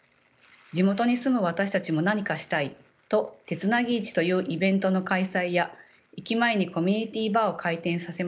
地元に住む私たちも何かしたいと手つなぎ市というイベントの開催や駅前にコミュニティーバーを開店させました。